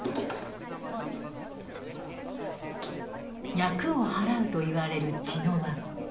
厄を祓うといわれる茅の輪。